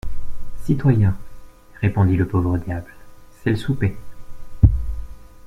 Citoyen, répondit le pauvre diable, c'est le souper.